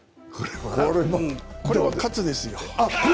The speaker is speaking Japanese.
これは喝ですよ。